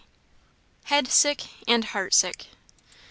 Head sick and heart sick.